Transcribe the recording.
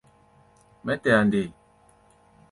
Mɛ́ tɛa nde?